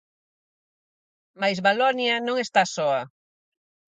Mais Valonia non está soa.